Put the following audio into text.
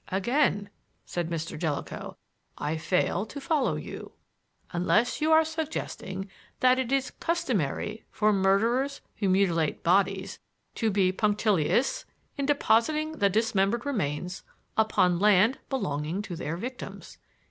"Again," said Mr. Jellicoe, "I fail to follow you, unless you are suggesting that it is customary for murderers who mutilate bodies to be punctilious in depositing the dismembered remains upon land belonging to their victims.